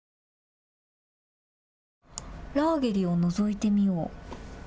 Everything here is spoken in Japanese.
ラーゲリをのぞいてみよう。